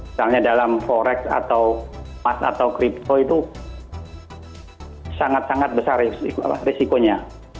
misalnya dalam forex atau mas atau crypto itu sangat sangat besar risikonya